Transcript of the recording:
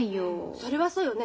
それはそうよね。